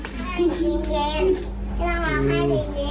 ให้รูปดูด้วย